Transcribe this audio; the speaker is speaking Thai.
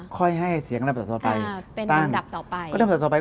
ค่อยให้เสียงกันครับต่อไป